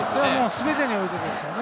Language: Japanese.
全てにおいてですね。